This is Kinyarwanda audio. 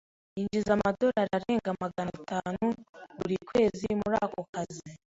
Yinjiza amadorari arenga magana atanu buri kwezi muri ako kazi.